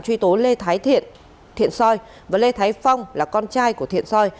truy tố lê thái thiện thiện soi và lê thái phong là con trai của thiện soi